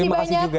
terima kasih juga